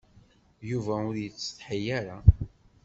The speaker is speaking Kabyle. Yuba ur yettsetḥi ara.